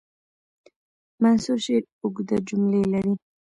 منثور شعر اوږده جملې لري.